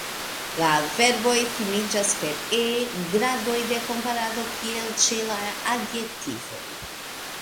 La adverboj finiĝas per e; gradoj de komparado kiel ĉe la adjektivoj.